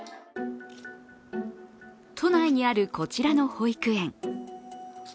都内にあるこちらの保育園。